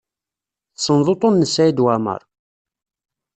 Tessneḍ uṭṭun n Saɛid Waɛmaṛ?